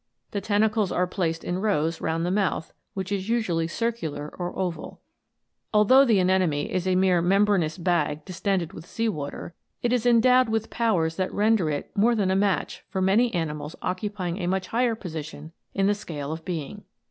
The tentacles are placed in rows round the mouth, which is usually circular or oval. Although the anemone is a mere membranous bag distended with sea water, it is endowed with powers that render it more than a match for many animals occupying a much higher position in the scale of being.